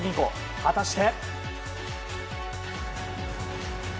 果たして？